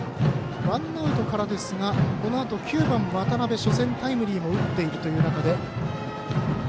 ワンアウトからですがこのあと９番、渡辺初戦タイムリーも打っているということで。